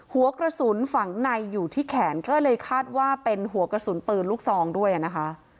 หัวกระสุนฝังในอยู่ที่แขนก็เลยคาดว่าเป็นหัวกระสุนปืนลูกซองด้วยนะคะ